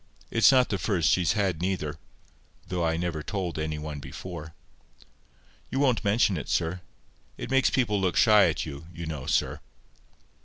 It's not the first she's had neither, though I never told any one before. You won't mention it, sir. It makes people look shy at you, you know, sir."